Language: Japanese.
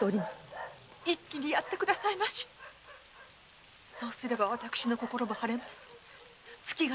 一気にやって下さいませそうすれば私の心も晴れ月形